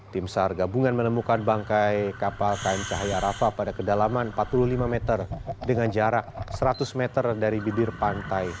tim sar gabungan menemukan bangkai kapal km cahaya rafa pada kedalaman empat puluh lima meter dengan jarak seratus meter dari bibir pantai